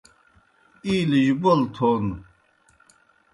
اِیلِجیْ بول تھون